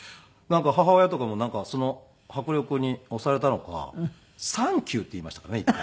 母親とかもなんかその迫力に押されたのか「サンキュー」って言いましたからね一回。